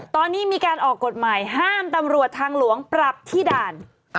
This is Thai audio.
ตอนนี้มีการออกกฎหมายห้ามตำรวจทางหลวงปรับที่ด่าน